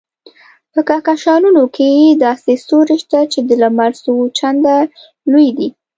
په کهکشانونو کې داسې ستوري شته چې د لمر څو چنده لوی دي.